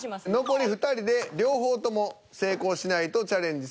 残り２人で両方とも成功しないとチャレンジ